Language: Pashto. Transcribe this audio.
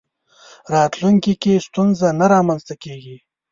راتلونکي کې ستونزه نه رامنځته کېږي.